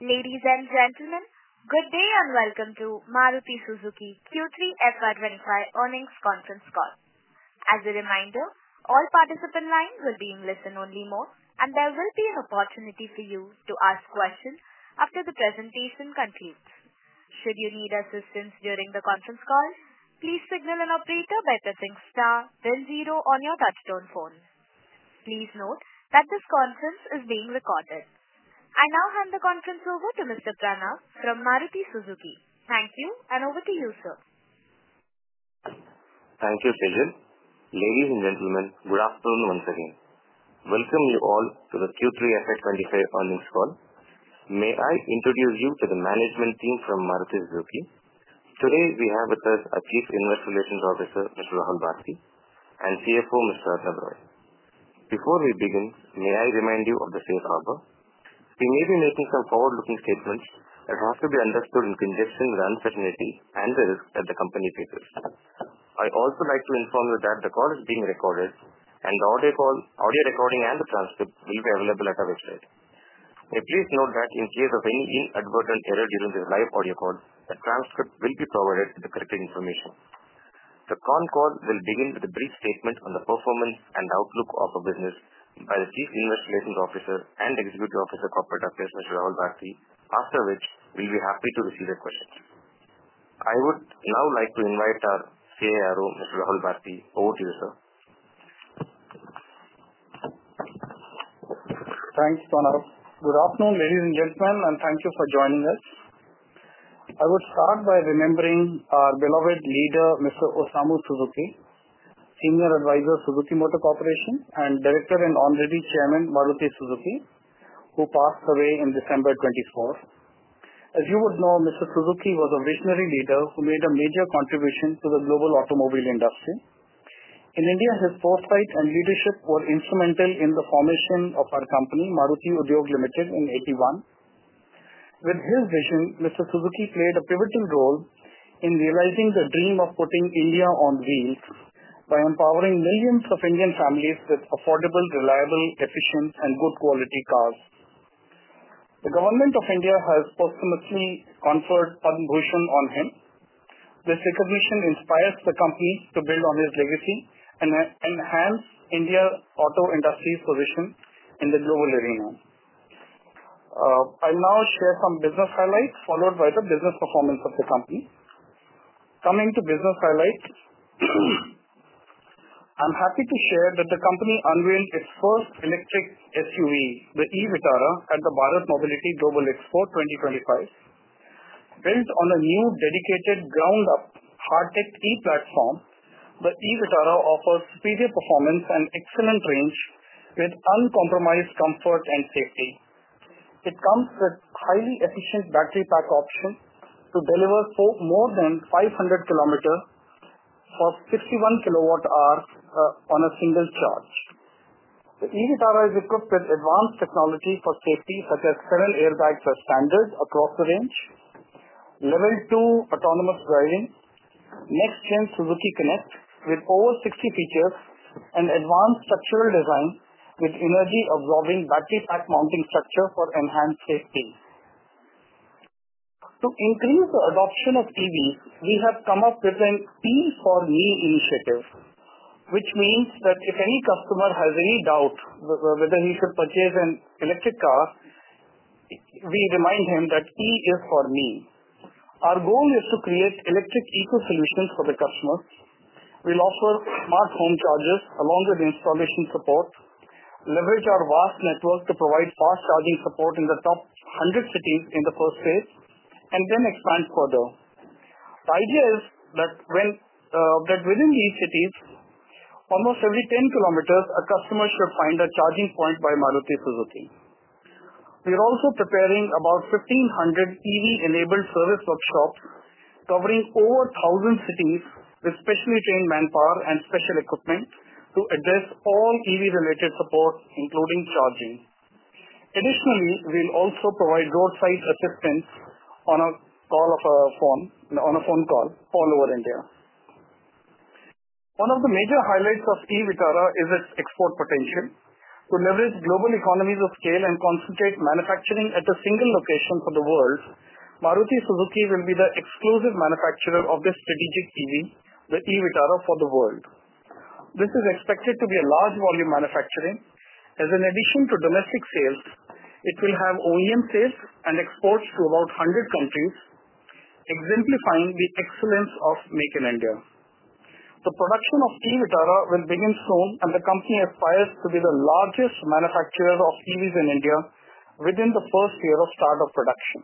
Ladies and gentlemen, good day and welcome to Maruti Suzuki Q3 FY25 earnings conference call. As a reminder, all participant lines will be in listen-only mode, and there will be an opportunity for you to ask questions after the presentation concludes. Should you need assistance during the conference call, please signal an operator by pressing star, then zero on your touch-tone phone. Please note that this conference is being recorded. I now hand the conference over to Mr. Pranav from Maruti Suzuki. Thank you, and over to you, sir. Thank you, Sejal. Ladies and gentlemen, good afternoon once again. Welcome you all to the Q3 FY25 earnings call. May I introduce you to the management team from Maruti Suzuki? Today, we have with us our Chief Investor Relations Officer, Mr. Rahul Bharti, and CFO, Mr. Arnab Roy. Before we begin, may I remind you of the safe harbor? We may be making some forward-looking statements that have to be understood in conjunction with uncertainty and the risk that the company faces. I also like to inform you that the call is being recorded, and the audio recording and the transcript will be available at our website. Please note that in case of any inadvertent error during this live audio call, the transcript will be provided with the correct information. The conference call will begin with a brief statement on the performance and outlook of our business by the Chief Investor Relations Officer and Executive Officer Corporate Affairs, Mr. Rahul Bharti, after which we'll be happy to receive your questions. I would now like to invite our CIRO, Mr. Rahul Bharti, over to you, sir. Thanks, Pranav. Good afternoon, ladies and gentlemen, and thank you for joining us. I would start by remembering our beloved leader, Mr. Osamu Suzuki, Senior Advisor, Suzuki Motor Corporation, and Director and Honorary Chairman, Maruti Suzuki, who passed away in December 2024. As you would know, Mr. Suzuki was a visionary leader who made a major contribution to the global automobile industry. In India, his foresight and leadership were instrumental in the formation of our company, Maruti Udyog Limited, in 1981. With his vision, Mr. Suzuki played a pivotal role in realizing the dream of putting India on wheels by empowering millions of Indian families with affordable, reliable, efficient, and good-quality cars. The Government of India has posthumously conferred the Padma Bhushan on him. This recognition inspires the company to build on his legacy and enhance India's auto industry's position in the global arena. I'll now share some business highlights, followed by the business performance of the company. Coming to business highlights, I'm happy to share that the company unveiled its first electric SUV, the e VITARA, at the Bharat Mobility Global Expo 2025. Built on a new dedicated ground-up HEARTECT-e platform, the e VITARA offers superior performance and excellent range with uncompromised comfort and safety. It comes with a highly efficient battery pack option to deliver more than 500 km for 61 kWh on a single charge. The e VITARA is equipped with advanced technology for safety, such as seven airbags as standard across the range, Level 2 autonomous driving, next-gen Suzuki Connect with over 60 features, and advanced structural design with energy-absorbing battery pack mounting structure for enhanced safety. To increase the adoption of EVs, we have come up with an E-for-Me initiative, which means that if any customer has any doubt whether he should purchase an electric car, we remind him that E is for Me. Our goal is to create electric eco-solutions for the customers. We'll offer smart home chargers along with installation support, leverage our vast network to provide fast charging support in the top 100 cities in the first phase, and then expand further. The idea is that within these cities, almost every 10 km, a customer should find a charging point by Maruti Suzuki. We're also preparing about 1,500 EV-enabled service workshops covering over 1,000 cities with specially trained manpower and special equipment to address all EV-related support, including charging. Additionally, we'll also provide roadside assistance on a phone call all over India. One of the major highlights of e VITARA is its export potential. To leverage global economies of scale and concentrate manufacturing at a single location for the world, Maruti Suzuki will be the exclusive manufacturer of this strategic EV, the e VITARA, for the world. This is expected to be a large-volume manufacturing. As an addition to domestic sales, it will have OEM sales and exports to about 100 countries, exemplifying the excellence of Make in India. The production of e VITARA will begin soon, and the company aspires to be the largest manufacturer of EVs in India within the first year of start of production.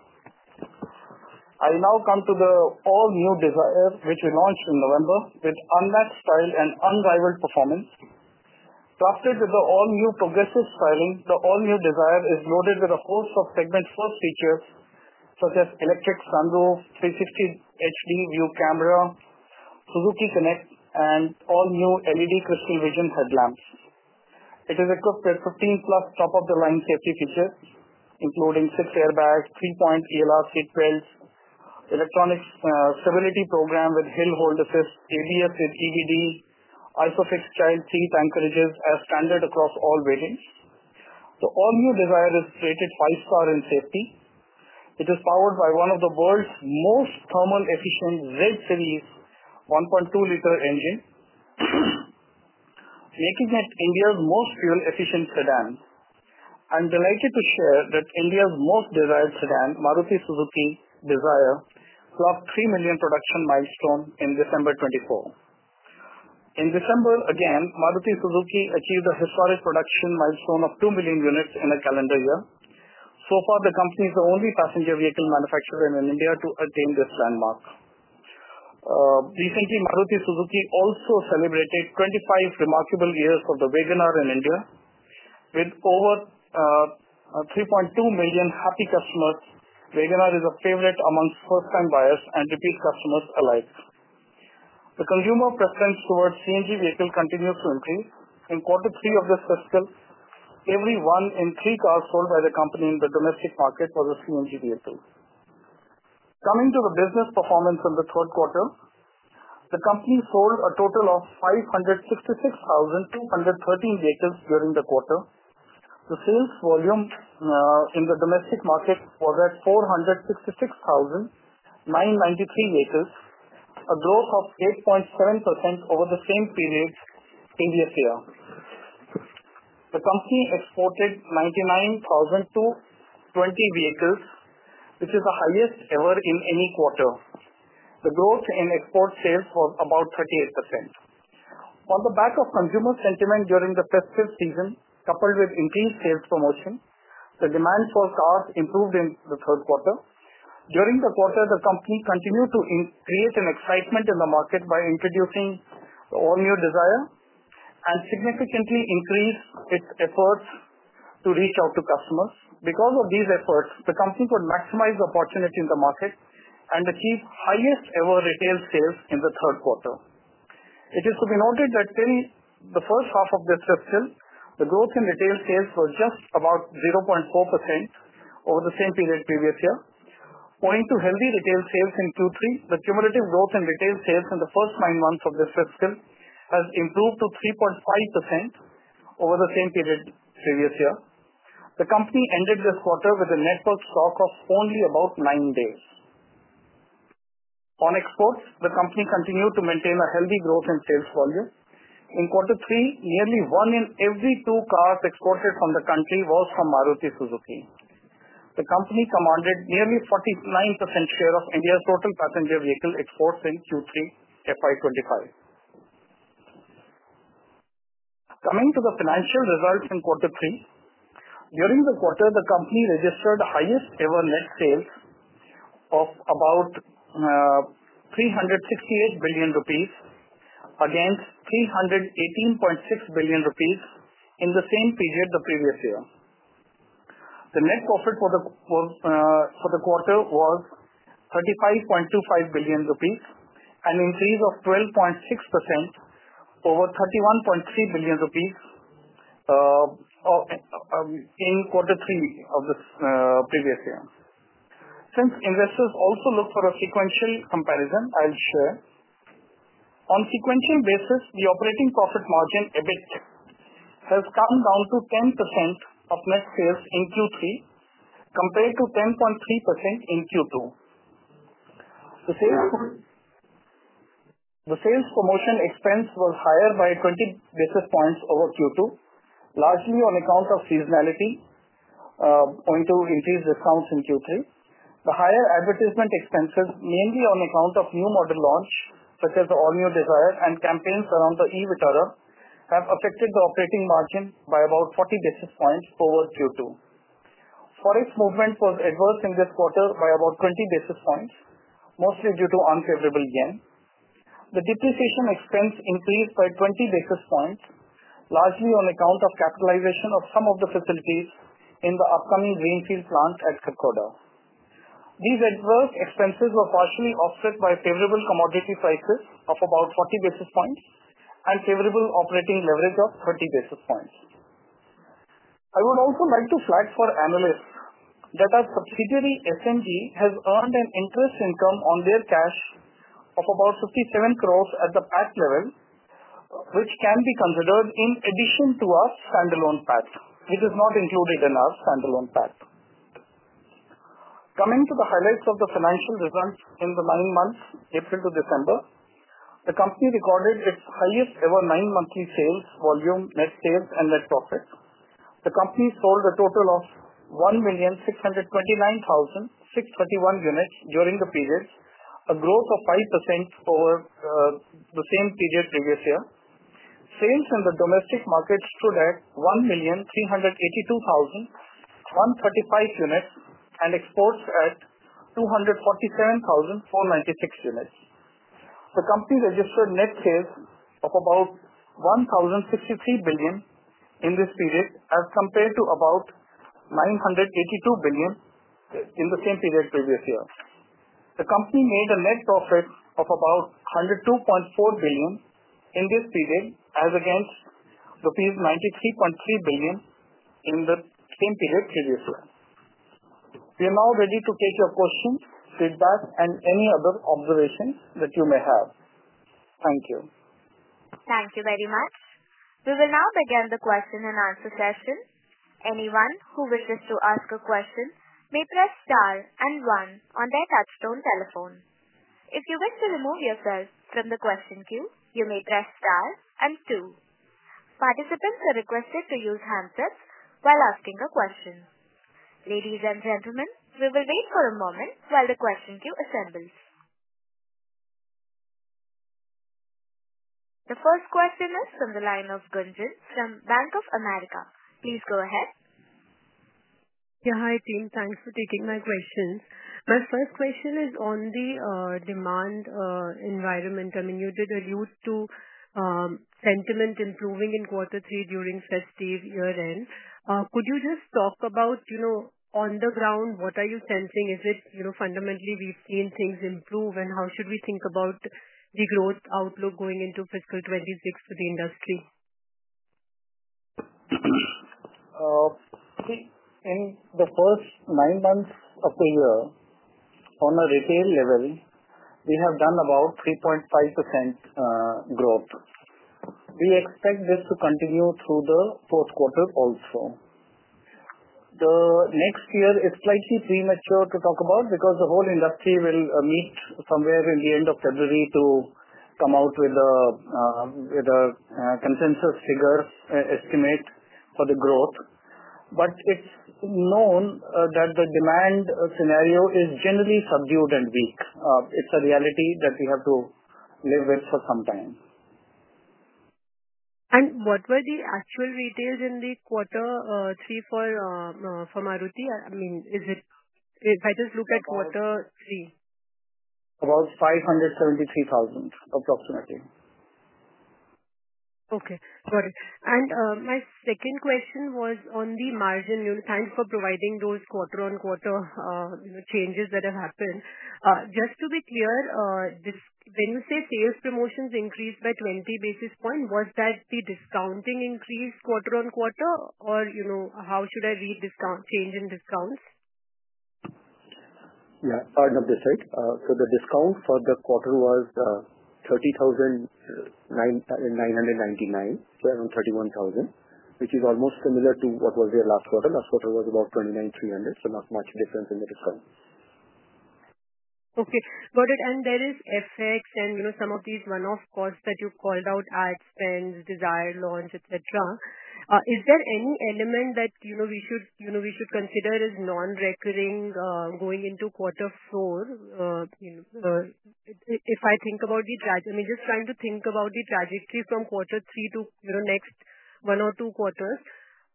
I'll now come to the all-new Dzire, which we launched in November with unmatched style and unrivaled performance. Crafted with the all-new progressive styling, the all-new Dzire is loaded with a host of segment-first features such as electric sunroof, 360 HD view camera, Suzuki Connect, and all-new LED Crystal Vision headlamps. It is equipped with 15-plus top-of-the-line safety features, including six airbags, three-point ELR seat belts, Electronic Stability Program with Hill Hold Assist, ABS with EBD, ISOFIX child seat anchorages as standard across all variants. The all-new Dzire is rated five-star in safety. It is powered by one of the world's most thermal-efficient Z-Series 1.2-liter engine, making it India's most fuel-efficient sedan. I'm delighted to share that India's most desired sedan, Maruti Suzuki Dzire, clocked 3 million production milestones in December 2024. In December, again, Maruti Suzuki achieved a historic production milestone of 2 million units in a calendar year. So far, the company is the only passenger vehicle manufacturer in India to attain this landmark. Recently, Maruti Suzuki also celebrated 25 remarkable years of the WagonR in India. With over 3.2 million happy customers, WagonR is a favorite among first-time buyers and repeat customers alike. The consumer preference towards CNG vehicles continues to increase. In quarter three of this fiscal, every one in three cars sold by the company in the domestic market was a CNG vehicle. Coming to the business performance in the third quarter, the company sold a total of 566,213 vehicles during the quarter. The sales volume in the domestic market was at 466,993 vehicles, a growth of 8.7% over the same period previous year. The company exported 99,020 vehicles, which is the highest ever in any quarter. The growth in export sales was about 38%. On the back of consumer sentiment during the festive season, coupled with increased sales promotion, the demand for cars improved in the third quarter. During the quarter, the company continued to create an excitement in the market by introducing the all-new Dzire and significantly increased its efforts to reach out to customers. Because of these efforts, the company could maximize opportunity in the market and achieve highest-ever retail sales in the third quarter. It is to be noted that till the first half of this fiscal, the growth in retail sales was just about 0.4% over the same period previous year. Owing to healthy retail sales in Q3, the cumulative growth in retail sales in the first nine months of this fiscal has improved to 3.5% over the same period previous year. The company ended this quarter with a network stock of only about nine days. On exports, the company continued to maintain a healthy growth in sales volume. In quarter three, nearly one in every two cars exported from the country was from Maruti Suzuki. The company commanded nearly 49% share of India's total passenger vehicle exports in Q3 FY25. Coming to the financial results in quarter three, during the quarter, the company registered the highest-ever net sales of about 368 billion rupees against 318.6 billion rupees in the same period the previous year. The net profit for the quarter was 35.25 billion rupees, an increase of 12.6% over 31.3 billion rupees in quarter three of this previous year. Since investors also look for a sequential comparison, I'll share. On a sequential basis, the operating profit margin EBIT has come down to 10% of net sales in Q3 compared to 10.3% in Q2. The sales promotion expense was higher by 20 basis points over Q2, largely on account of seasonality going to increase discounts in Q3. The higher advertisement expenses, mainly on account of new model launch such as the all-new Dzire and campaigns around the e VITARA, have affected the operating margin by about 40 basis points over Q2. Forex movement was adverse in this quarter by about 20 basis points, mostly due to unfavorable Yen. The depreciation expense increased by 20 basis points, largely on account of capitalization of some of the facilities in the upcoming greenfield plant at Kharkhoda. These adverse expenses were partially offset by favorable commodity prices of about 40 basis points and favorable operating leverage of 30 basis points. I would also like to flag for analysts that our subsidiary SMG has earned an interest income on their cash of about 57 crore at the PAT level, which can be considered in addition to our standalone PAT, which is not included in our standalone PAT. Coming to the highlights of the financial results in the nine months, April to December, the company recorded its highest-ever nine-monthly sales volume, net sales, and net profit. The company sold a total of 1,629,631 units during the period, a growth of 5% over the same period previous year. Sales in the domestic market stood at 1,382,135 units and exports at 247,496 units. The company registered net sales of about 1,063 billion in this period as compared to about 982 billion in the same period previous year. The company made a net profit of about 102.4 billion in this period as against rupees 93.3 billion in the same period previous year. We are now ready to take your questions, feedback, and any other observations that you may have. Thank you. Thank you very much. We will now begin the question and answer session. Anyone who wishes to ask a question may press star and one on their touch-tone telephone. If you wish to remove yourself from the question queue, you may press star and two. Participants are requested to use handsets while asking a question. Ladies and gentlemen, we will wait for a moment while the question queue assembles. The first question is from the line of Gunjan from Bank of America. Please go ahead. Yeah, hi team. Thanks for taking my questions. My first question is on the demand environment. I mean, you did allude to sentiment improving in quarter three during festive year-end. Could you just talk about on the ground, what are you sensing? Is it fundamentally we've seen things improve, and how should we think about the growth outlook going into fiscal 26 for the industry? In the first nine months of the year, on a retail level, we have done about 3.5% growth. We expect this to continue through the fourth quarter also. The next year is slightly premature to talk about because the whole industry will meet somewhere in the end of February to come out with a consensus figure estimate for the growth. But it's known that the demand scenario is generally subdued and weak. It's a reality that we have to live with for some time. What were the actual retails in the quarter three for Maruti? I mean, if I just look at quarter three. About 573,000, approximately. Okay. Got it. And my second question was on the margin. Thanks for providing those quarter-on-quarter changes that have happened. Just to be clear, when you say sales promotions increased by 20 basis points, was that the discounting increase quarter-on-quarter, or how should I read change in discounts? Yeah, for the sake. So the discount for the quarter was 30,999, so around 31,000, which is almost similar to what was there last quarter. Last quarter was about 29,300, so not much difference in the discount. Okay. Got it. And there is FX and some of these one-off costs that you called out: ad spends, Dzire launch, etc. Is there any element that we should consider as non-recurring going into quarter four? If I think about the—I mean, just trying to think about the trajectory from quarter three to next one or two quarters,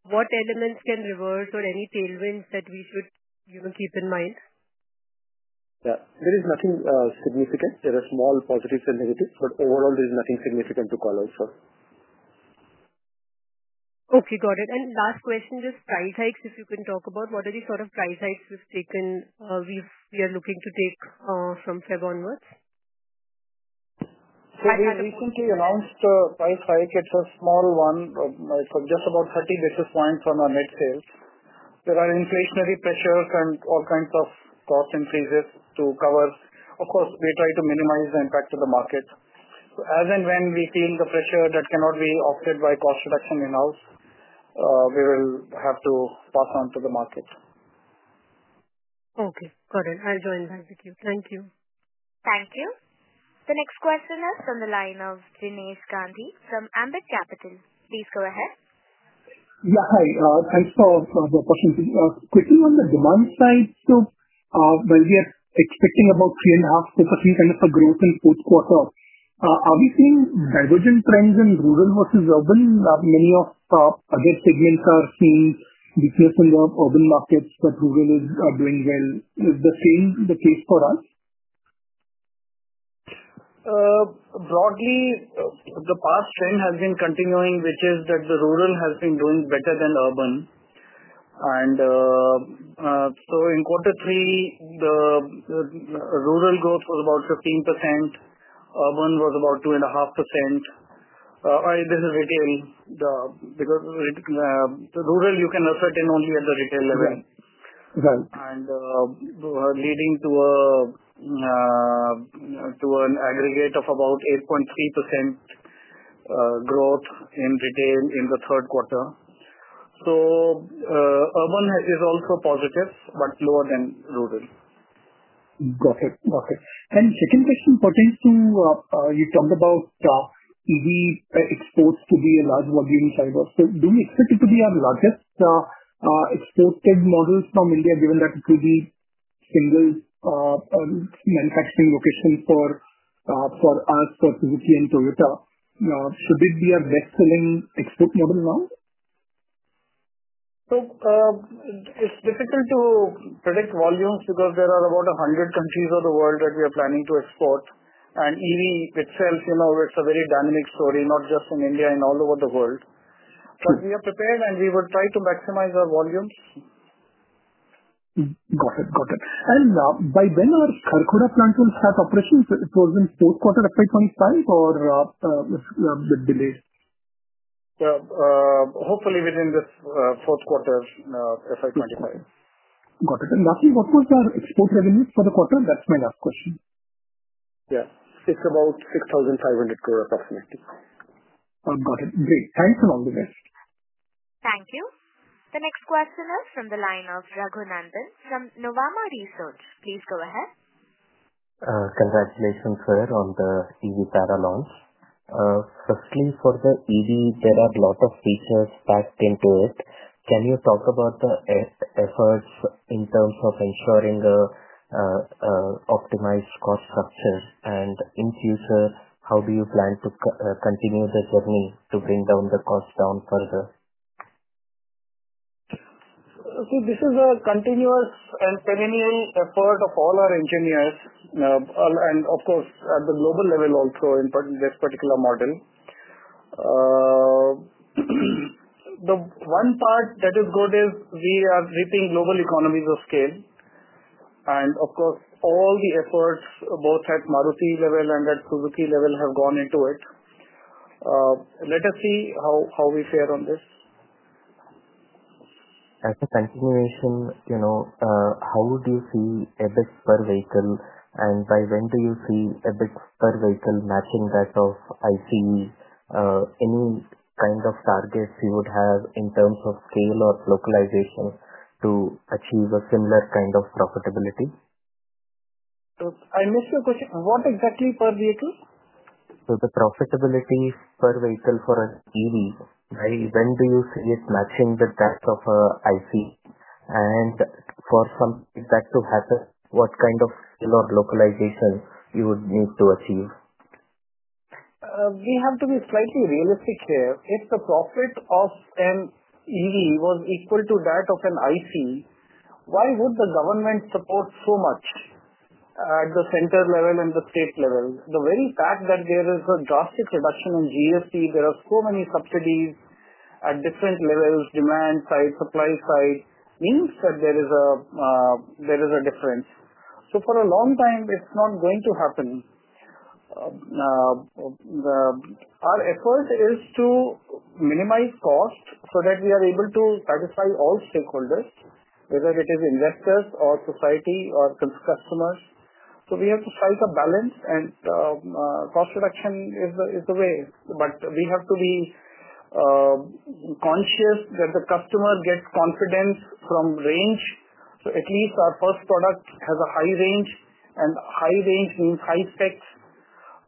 what elements can reverse or any tailwinds that we should keep in mind? Yeah. There is nothing significant. There are small positives and negatives, but overall, there is nothing significant to call out for. Okay. Got it. And last question, just price hikes, if you can talk about what are the sort of price hikes we are looking to take from February onwards? So we recently announced a price hike. It's a small one. It's just about 30 basis points on our net sales. There are inflationary pressures and all kinds of cost increases to cover. Of course, we try to minimize the impact to the market. As and when we feel the pressure that cannot be offset by cost reduction in-house, we will have to pass on to the market. Okay. Got it. I'll join back with you. Thank you. Thank you. The next question is from the line of Jinesh Gandhi from Ambit Capital. Please go ahead. Yeah, hi. Thanks for the question. Quickly on the demand side, so when we are expecting about 3.5% kind of a growth in fourth quarter, are we seeing divergent trends in rural versus urban? Many other segments are seeing weakness in the urban markets, but rural is doing well. Is the same the case for us? Broadly, the past trend has been continuing, which is that the rural has been doing better than urban, and so in quarter three, the rural growth was about 15%. Urban was about 2.5%. This is retail because rural, you can assert it only at the retail level, and leading to an aggregate of about 8.3% growth in retail in the third quarter, so urban is also positive, but lower than rural. Got it. Got it. And second question pertains to you talked about EV exports to be a large volume driver. So do we expect it to be our largest exported model from India, given that it will be single manufacturing location for us, for Suzuki and Toyota? Should it be our best-selling export model now? So it's difficult to predict volumes because there are about 100 countries of the world that we are planning to export. And EV itself, it's a very dynamic story, not just in India, in all over the world. But we are prepared, and we will try to maximize our volumes. Got it. Got it. And by when are Kharkhoda plant will start operations? It was in fourth quarter FY25 or a bit delayed? Hopefully within this fourth quarter FY25. Got it. And lastly, what was our export revenue for the quarter? That's my last question. Yeah. It's about 6,500 crore approximately. Got it. Great. Thanks and all the best. Thank you. The next question is from the line of Raghunandan from Nuvama Research. Please go ahead. Congratulations, sir, on the e VITARA launch. Firstly, for the EV, there are a lot of features packed into it. Can you talk about the efforts in terms of ensuring an optimized cost structure? And in future, how do you plan to continue the journey to bring down the cost further? So this is a continuous and perennial effort of all our engineers, and of course, at the global level also in this particular model. The one part that is good is we are reaching global economies of scale. And of course, all the efforts both at Maruti level and at Suzuki level have gone into it. Let us see how we fare on this. As a continuation, how do you see EBIT per vehicle? And by when do you see EBIT per vehicle matching that of ICE? Any kind of targets you would have in terms of scale or localization to achieve a similar kind of profitability? I missed your question. What exactly per vehicle? So the profitability per vehicle for an EV, when do you see it matching with that of an ICE? And for something like that to happen, what kind of scale or localization you would need to achieve? We have to be slightly realistic here. If the profit of an EV was equal to that of an ICE, why would the government support so much at the center level and the state level? The very fact that there is a drastic reduction in GST, there are so many subsidies at different levels, demand side, supply side, means that there is a difference. For a long time, it's not going to happen. Our effort is to minimize cost so that we are able to satisfy all stakeholders, whether it is investors or society or customers. We have to strike a balance, and cost reduction is the way. But we have to be conscious that the customer gets confidence from range. At least our first product has a high range, and high range means high specs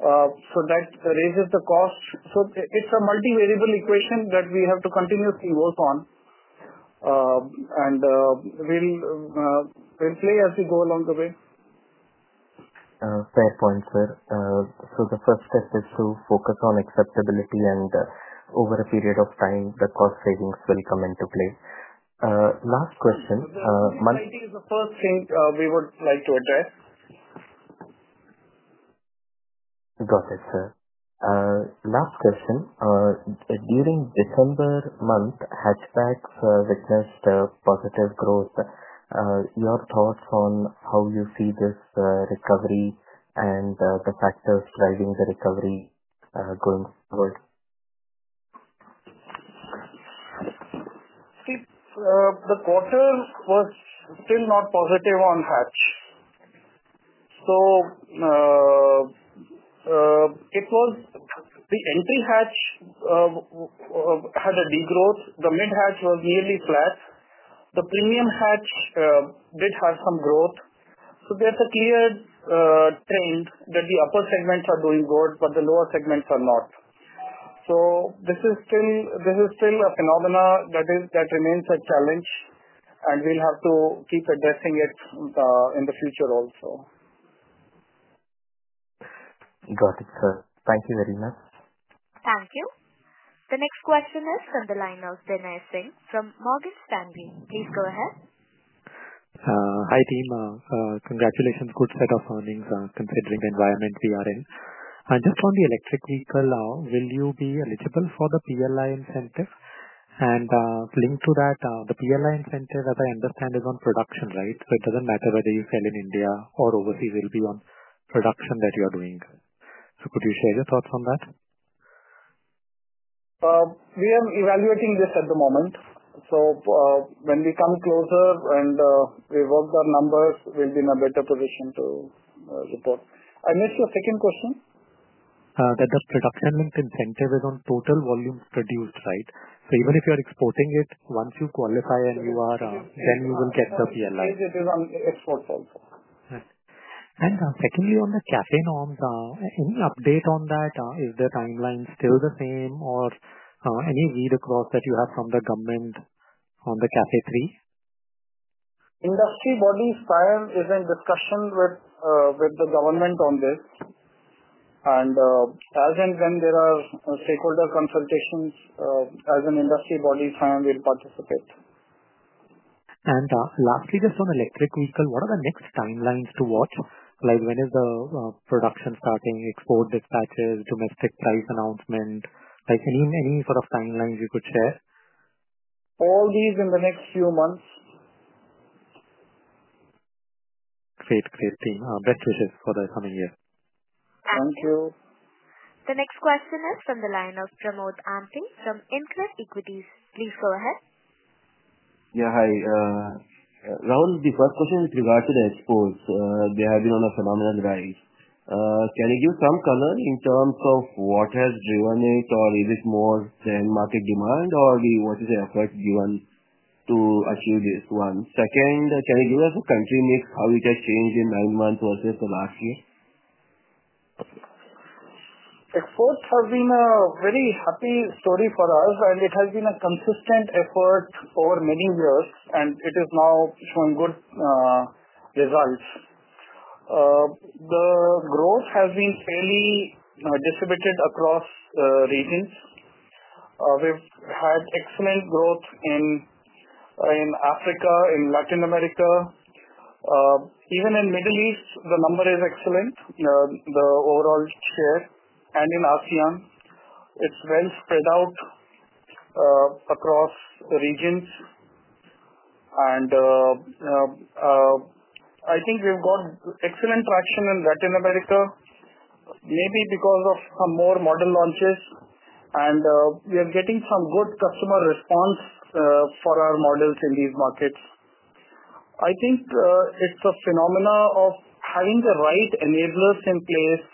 so that raises the cost. So it's a multi-variable equation that we have to continuously work on. And we'll play as we go along the way. Fair point, sir. So the first step is to focus on acceptability, and over a period of time, the cost savings will come into play. Last question. That is the first thing we would like to address. Got it, sir. Last question. During December month, hatchbacks witnessed positive growth. Your thoughts on how you see this recovery and the factors driving the recovery going forward? The quarter was still not positive on hatch. So it was the entry hatch had a degrowth. The mid-hatch was nearly flat. The premium hatch did have some growth. So there's a clear trend that the upper segments are doing good, but the lower segments are not. So this is still a phenomenon that remains a challenge, and we'll have to keep addressing it in the future also. Got it, sir. Thank you very much. Thank you. The next question is from the line of Binay Singh from Morgan Stanley. Please go ahead. Hi team. Congratulations. Good set of earnings considering the environment we are in. And just on the electric vehicle, will you be eligible for the PLI incentive? And linked to that, the PLI incentive, as I understand, is on production, right? So could you share your thoughts on that? We are evaluating this at the moment. So when we come closer and we work our numbers, we'll be in a better position to report. I missed your second question. That the production-linked incentive is on total volume produced, right? So even if you're exporting it, once you qualify and you are, then you will get the PLI. Yes, it is on exports also. Secondly, on the CAFE norms, any update on that? Is the timeline still the same, or any read across that you have from the government on the CAFE? Industry body SIAM is in discussion with the government on this. As and when there are stakeholder consultations, as an industry body, SIAM will participate. Lastly, just on electric vehicle, what are the next timelines to watch? Like, when is the production starting, export dispatches, domestic price announcement? Any sort of timelines you could share? All these in the next few months. Great. Great, team. Best wishes for the coming year. Thank you. The next question is from the line of Pramod Amthe from InCred Equities. Please go ahead. Yeah, hi. Rahul, the first question with regard to the exports, they have been on a phenomenal rise. Can you give some color in terms of what has driven it, or is it more than market demand, or what is the effort given to achieve this? One, second, can you give us a country mix? How it has changed in nine months versus the last year? Exports have been a very happy story for us, and it has been a consistent effort over many years, and it is now showing good results. The growth has been fairly distributed across regions. We've had excellent growth in Africa, in Latin America. Even in the Middle East, the number is excellent, the overall share, and in ASEAN, it's well spread out across regions, and I think we've got excellent traction in Latin America, maybe because of some more model launches, and we are getting some good customer response for our models in these markets. I think it's a phenomenon of having the right enablers in place: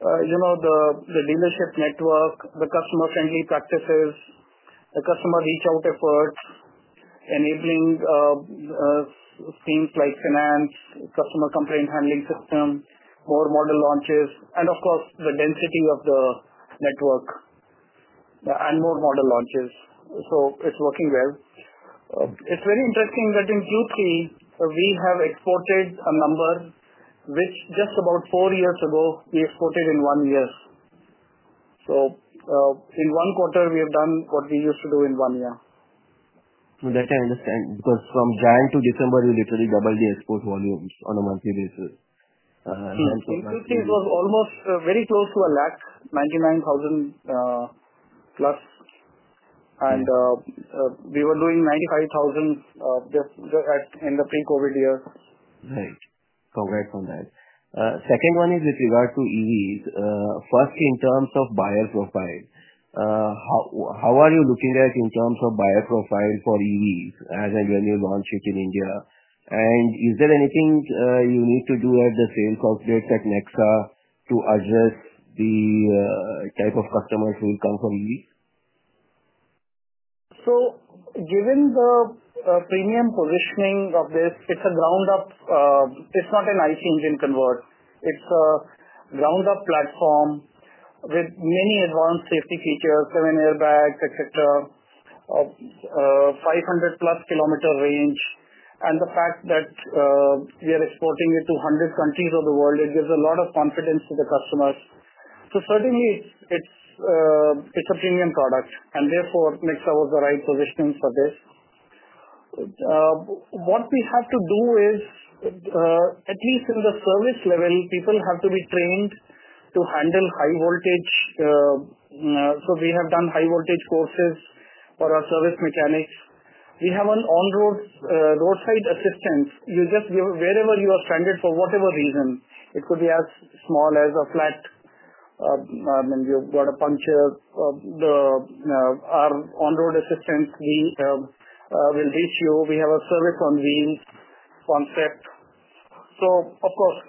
the dealership network, the customer-friendly practices, the customer reach-out effort, enabling things like finance, customer complaint handling system, more model launches, and of course, the density of the network and more model launches. So it's working well. It's very interesting that in Q3, we have exported a number, which just about four years ago, we exported in one year. So in one quarter, we have done what we used to do in one year. That I understand. Because from January to December, you literally doubled the export volumes on a monthly basis. In Q3, it was almost very close to a lakh, 99,000 plus, and we were doing 95,000 in the pre-COVID year. Right. Congrats on that. Second one is with regard to EVs. First, in terms of buyer profile, how are you looking at in terms of buyer profile for EVs as and when you launch it in India? And is there anything you need to do at the sales outlets at NEXA to address the type of customers who will come for EVs? So given the premium positioning of this, it's a ground-up. It's not an ICE engine convert. It's a ground-up platform with many advanced safety features, seven airbags, etc., 500-plus km range. And the fact that we are exporting it to 100 countries of the world, it gives a lot of confidence to the customers. So certainly, it's a premium product, and therefore, NEXA was the right positioning for this. What we have to do is, at least in the service level, people have to be trained to handle high voltage. So we have done high voltage courses for our service mechanics. We have an on-road roadside assistance. You just give wherever you are stranded for whatever reason. It could be as small as a flat, and you've got a puncture. Our on-road assistance will reach you. We have a Service on Wheels concept. So, of course,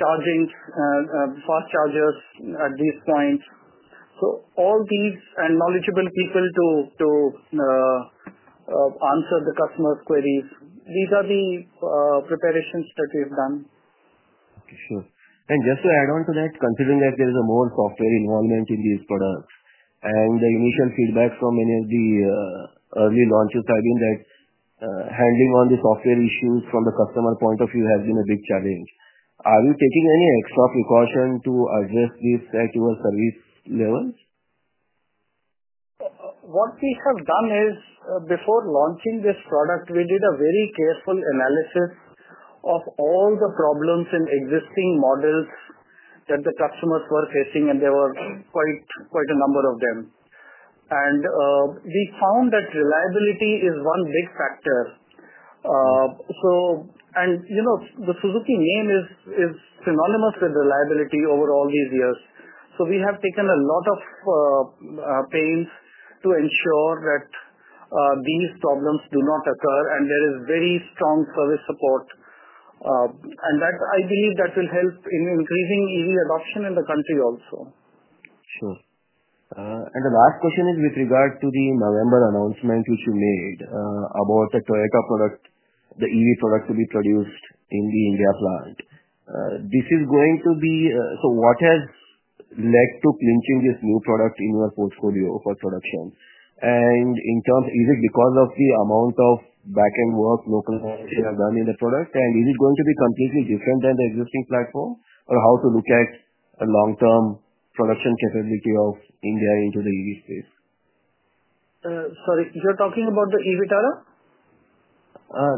charging fast chargers at this point. So all these and knowledgeable people to answer the customer's queries. These are the preparations that we've done. Sure. And just to add on to that, considering that there is a more software involvement in these products and the initial feedback from many of the early launches, I mean that handling on the software issues from the customer point of view has been a big challenge. Are you taking any extra precaution to address this at your service level? What we have done is, before launching this product, we did a very careful analysis of all the problems in existing models that the customers were facing, and there were quite a number of them. And we found that reliability is one big factor. And the Suzuki name is synonymous with reliability over all these years. So we have taken a lot of pains to ensure that these problems do not occur, and there is very strong service support. And I believe that will help in increasing EV adoption in the country also. Sure, and the last question is with regard to the November announcement which you made about the Toyota product, the EV product to be produced in the India plant. This is going to be, so what has led to clinching this new product in your portfolio for production? And is it because of the amount of back-end work locally that you have done in the product, and is it going to be completely different than the existing platform, or how to look at long-term production capability of India into the EV space? Sorry, you're talking about the e VITARA?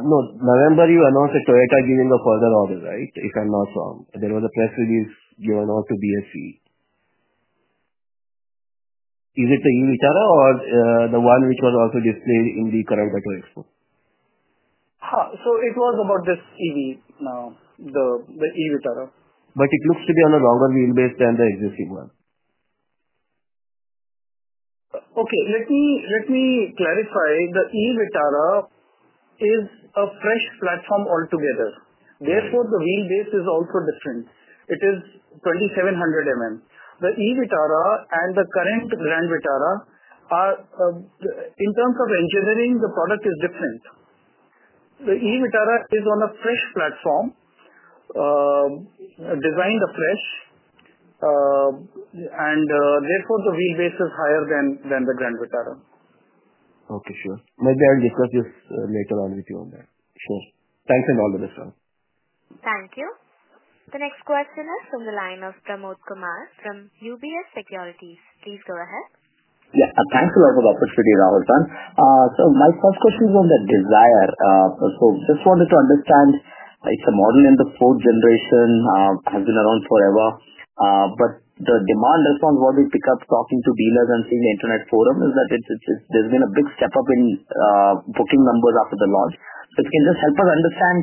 No, November you announced that Toyota is giving a further order, right? If I'm not wrong, there was a press release given out to BSE. Is it the e VITARA or the one which was also displayed in the Bharat Mobility Global Expo? It was about this EV, the e VITARA. But it looks to be on a longer wheelbase than the existing one. Okay. Let me clarify. The e VITARA is a fresh platform altogether. Therefore, the wheelbase is also different. It is 2,700. The e VITARA and the current Grand Vitara, in terms of engineering, the product is different. The e VITARA is on a fresh platform, designed afresh, and therefore, the wheelbase is higher than the Grand Vitara. Okay, sure. Maybe I'll discuss this later on with you on that. Sure. Thanks and all the best sir Thank you. The next question is from the line of Pramod Kumar from UBS Securities. Please go ahead. Yeah. Thanks a lot for the opportunity, Rahul Bharti. So my first question is on the Dzire. So just wanted to understand, it's a model in the fourth generation, has been around forever. But the demand response, what we pick up talking to dealers and seeing the internet forum is that there's been a big step up in booking numbers after the launch. So if you can just help us understand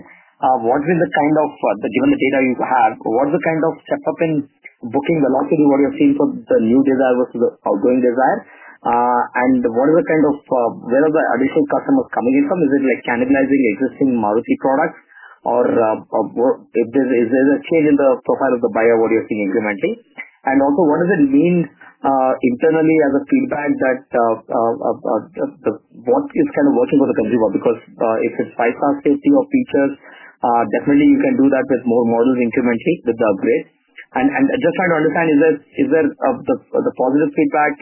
what will the kind of, given the data you have, what's the kind of step up in booking velocity, what you're seeing for the new Dzire versus the outgoing Dzire, and what is the kind of, where are the additional customers coming in from? Is it like cannibalizing existing Maruti products, or is there a change in the profile of the buyer, what you're seeing incrementally? Also, what does it mean internally as feedback that what is kind of working for the consumer? Because if it's five-star safety features, definitely you can do that with more models incrementally with the upgrade. Just trying to understand, is there positive feedback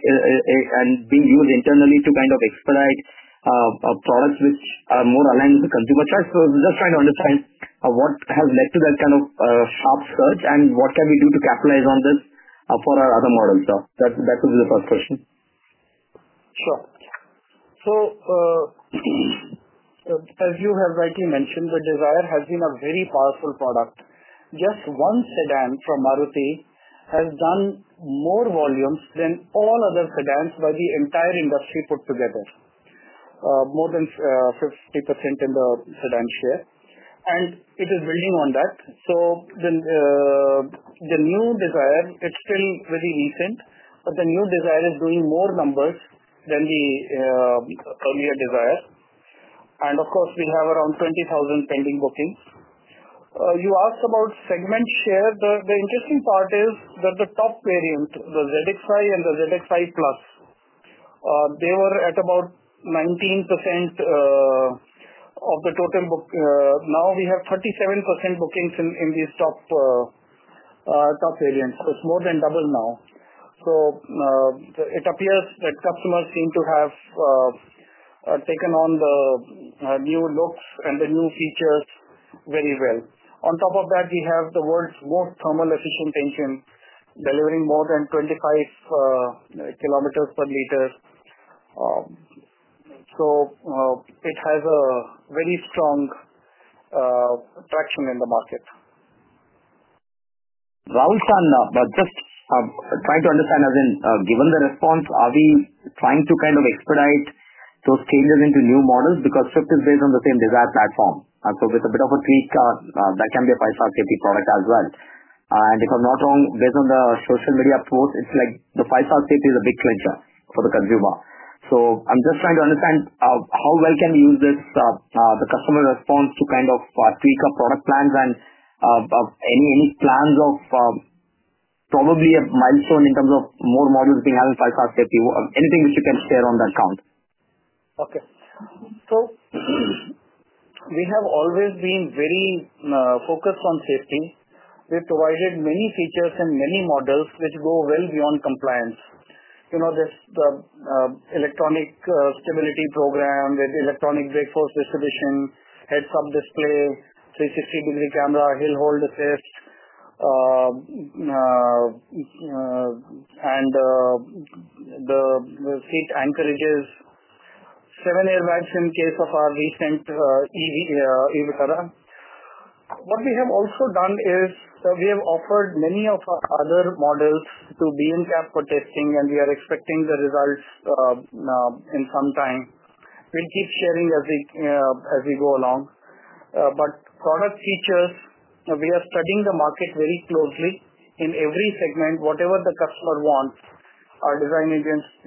being used internally to kind of expedite products which are more aligned with the consumer choice? Just trying to understand what has led to that kind of sharp surge and what can we do to capitalize on this for our other models. That would be the first question. Sure. So as you have rightly mentioned, the Dzire has been a very powerful product. Just one sedan from Maruti has done more volumes than all other sedans by the entire industry put together, more than 50% in the sedan share. And it is building on that. So the new Dzire, it's still very recent, but the new Dzire is doing more numbers than the earlier Dzire. And of course, we have around 20,000 pending bookings. You asked about segment share. The interesting part is that the top variant, the ZXi and the ZXi Plus, they were at about 19% of the total book. Now we have 37% bookings in these top variants. It's more than double now. So it appears that customers seem to have taken on the new looks and the new features very well. On top of that, we have the world's most thermal-efficient engine, delivering more than 25 km per liter. So it has a very strong traction in the market. Rahul Bharti, just trying to understand, as in given the response, are we trying to kind of expedite those changes into new models? Because SUV is based on the same Dzire platform. And so with a bit of a tweak, that can be a five-star safety product as well. And if I'm not wrong, based on the social media posts, it's like the five-star safety is a big clincher for the consumer. So I'm just trying to understand how well can we use this, the customer response to kind of tweak our product plans and any plans of probably a milestone in terms of more models being added in five-star safety. Anything which you can share on that count? Okay. So we have always been very focused on safety. We've provided many features and many models which go well beyond compliance. There's the Electronic Stability Program with Electronic Brake Force Distribution heads-up display, 360-degree camera, Hill Hold Assist, and the seat anchorages, seven airbags in case of our recent e VITARA. What we have also done is we have offered many of our other models to be in NCAP for testing, and we are expecting the results in some time. We'll keep sharing as we go along. But product features, we are studying the market very closely in every segment. Whatever the customer wants, our design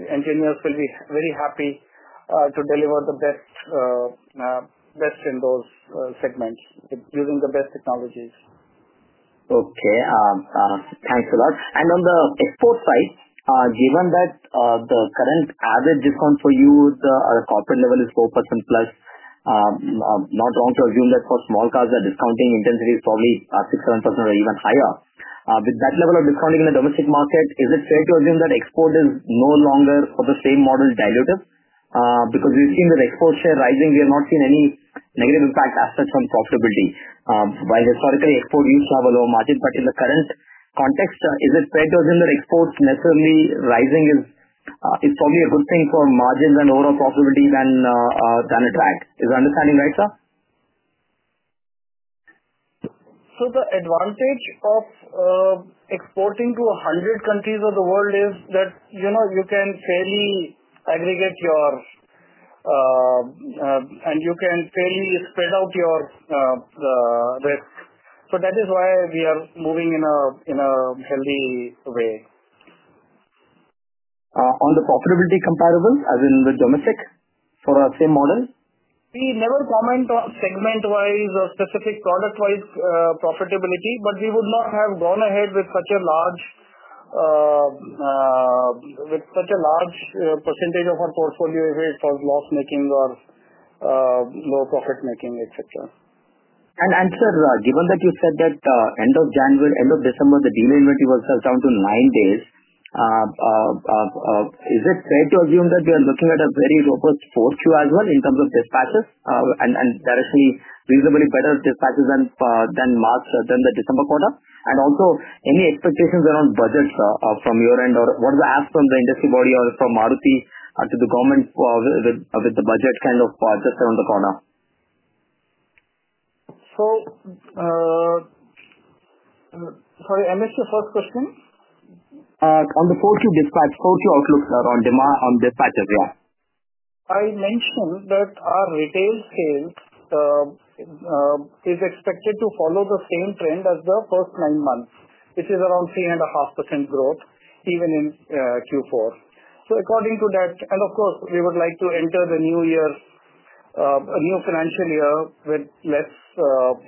engineers will be very happy to deliver the best in those segments using the best technologies. Okay. Thanks a lot. And on the export side, given that the current average discount for you at a corporate level is 4% plus, not wrong to assume that for small cars, that discounting intensity is probably 6%, 7%, or even higher. With that level of discounting in the domestic market, is it fair to assume that export is no longer for the same model dilutive? Because we've seen the export share rising, we have not seen any negative impact as such on profitability. While historically, export used to have a lower margin, but in the current context, is it fair to assume that exports necessarily rising is probably a good thing for margins and overall profitability than a drag? Is my understanding right, sir? So the advantage of exporting to 100 countries of the world is that you can fairly aggregate your and you can fairly spread out your risk. So that is why we are moving in a healthy way. On the profitability comparable, as in the domestic for our same model? We never comment on segment-wise or specific product-wise profitability, but we would not have gone ahead with such a large percentage of our portfolio if it was loss-making or low profit-making, etc. Sir, given that you said that end of December, the dealer inventory was down to nine days, is it fair to assume that we are looking at a very robust forecast too as well in terms of dispatches and actually reasonably better dispatches than the December quarter? Also, any expectations around budget from your end, or what was asked from the industry body or from Maruti to the government with the budget kind of just around the corner? So sorry, I missed your first question. On the forecast to dispatch, forecast outlook, sir, on dispatches, yeah. I mentioned that our retail sales is expected to follow the same trend as the first nine months, which is around 3.5% growth even in Q4. So according to that, and of course, we would like to enter the new year, a new financial year with less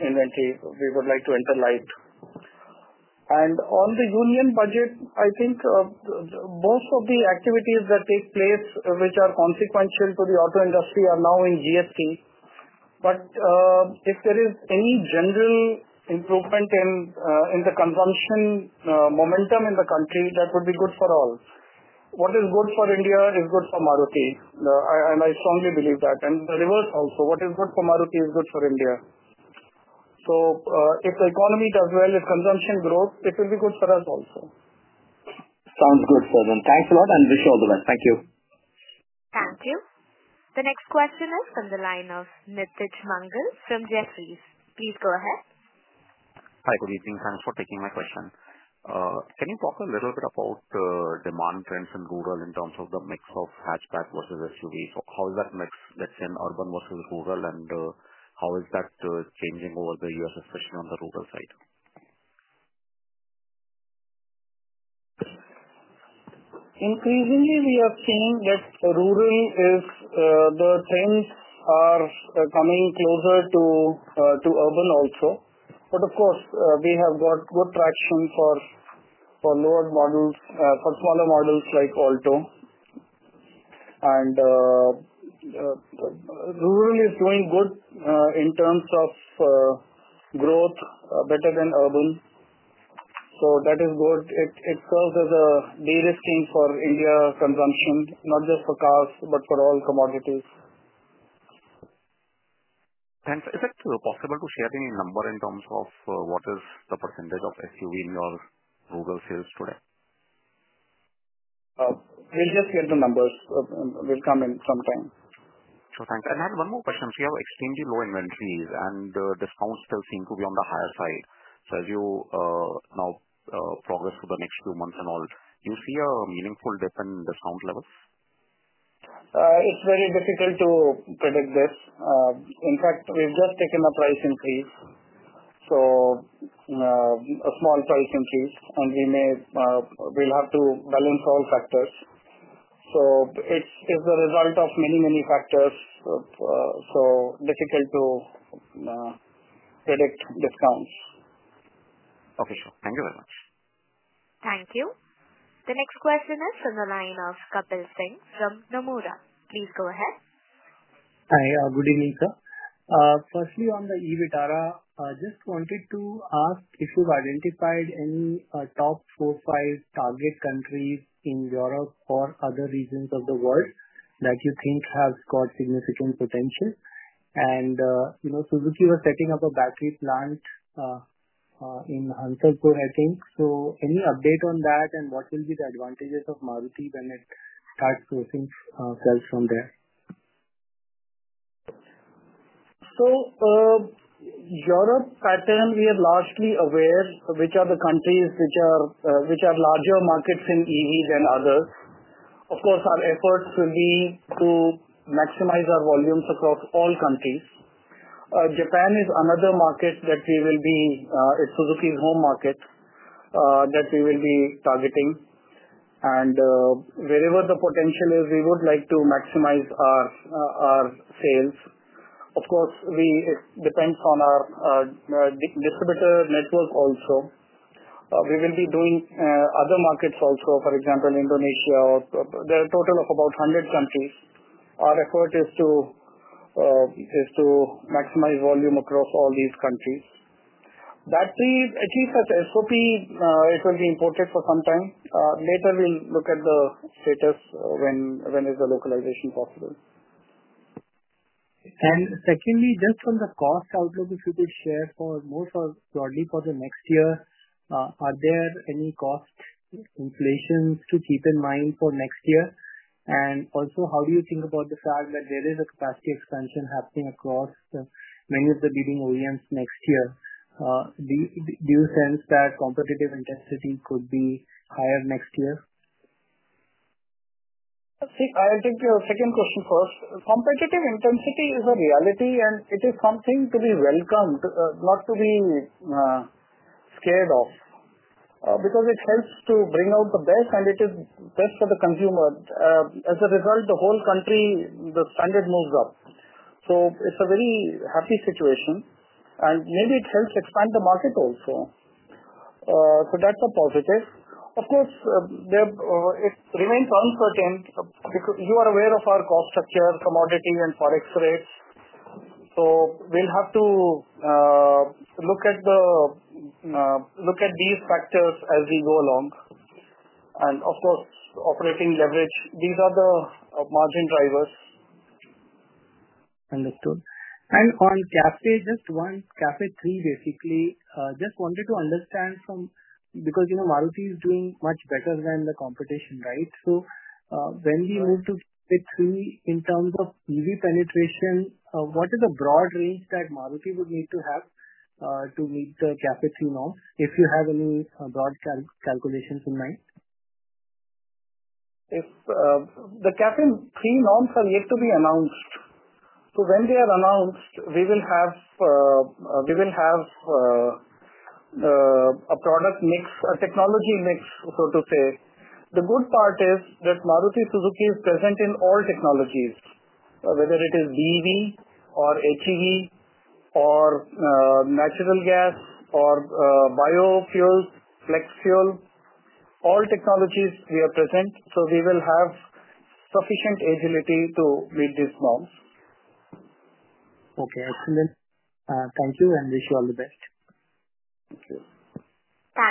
inventory. We would like to enter light. And on the Union Budget, I think most of the activities that take place, which are consequential to the auto industry, are now in GST. But if there is any general improvement in the consumption momentum in the country, that would be good for all. What is good for India is good for Maruti, and I strongly believe that. And the reverse also, what is good for Maruti is good for India. So if the economy does well, if consumption grows, it will be good for us also. Sounds good, sir. Thanks a lot and wish you all the best. Thank you. Thank you. The next question is from the line of Nitij Mangal from Jefferies. Please go ahead. Hi, good evening. Thanks for taking my question. Can you talk a little bit about the demand trends in rural in terms of the mix of hatchback versus SUVs? How is that mix? Let's say in urban versus rural, and how is that changing over the years, especially on the rural side? Increasingly, we are seeing that rural trends are coming closer to urban also, but of course, we have got good traction for lower models, for smaller models like Alto, and rural is doing good in terms of growth, better than urban, so that is good. It serves as a derisking for India consumption, not just for cars, but for all commodities. Thanks. Is it possible to share any number in terms of what is the percentage of SUV in your rural sales today? We'll just get the numbers. They'll come in sometime. Sure. Thanks, and then one more question. We have extremely low inventories, and discounts still seem to be on the higher side, so as you now progress through the next few months and all, do you see a meaningful dip in discount levels? It's very difficult to predict this. In fact, we've just taken a price increase, so a small price increase, and we'll have to balance all factors. So it's the result of many, many factors, so difficult to predict discounts. Okay. Sure. Thank you very much. Thank you. The next question is from the line of Kapil Singh from Nomura. Please go ahead. Hi. Good evening, sir. Firstly, on the e VITARA, I just wanted to ask if you've identified any top four, five target countries in Europe or other regions of the world that you think have got significant potential, and Suzuki was setting up a battery plant in Hansalpur, I think, so any update on that, and what will be the advantages of Maruti when it starts sourcing sales from there? So, Europe pattern, we are largely aware, which are the countries which are larger markets in EV than others. Of course, our efforts will be to maximize our volumes across all countries. Japan is another market that we will be. It's Suzuki's home market that we will be targeting. And wherever the potential is, we would like to maximize our sales. Of course, it depends on our distributor network also. We will be doing other markets also, for example, Indonesia. There are a total of about 100 countries. Our effort is to maximize volume across all these countries. Battery, as you heard about SOPs; it will be imported for some time. Later, we'll look at the status when is the localization possible. Secondly, just from the cost outlook, if you could share more broadly for the next year, are there any cost inflation to keep in mind for next year? Also, how do you think about the fact that there is a capacity expansion happening across many of the leading OEMs next year? Do you sense that competitive intensity could be higher next year? I'll take your second question first. Competitive intensity is a reality, and it is something to be welcomed, not to be scared of, because it helps to bring out the best, and it is best for the consumer. As a result, the whole country, the standard moves up. So it's a very happy situation, and maybe it helps expand the market also. So that's a positive. Of course, it remains uncertain. You are aware of our cost structure, commodity, and FOREX rates. So we'll have to look at these factors as we go along. And of course, operating leverage. These are the margin drivers. Understood. And on CAFE, just one, CAFE 3, basically, just wanted to understand from because Maruti is doing much better than the competition, right? So when we move to CAFE 3 in terms of EV penetration, what is the broad range that Maruti would need to have to meet the CAFE 3 norms? If you have any broad calculations in mind. If the CAFE 3 norms are yet to be announced. So when they are announced, we will have a product mix, a technology mix, so to say. The good part is that Maruti Suzuki is present in all technologies, whether it is BEV or HEV or natural gas or biofuel, flex fuel, all technologies we are present. So we will have sufficient agility to meet these norms. Okay. Excellent. Thank you and wish you all the best. Thank you. Bye.